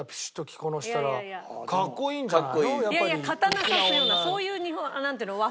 いやいや刀差すようなそういう和服ならいいけど。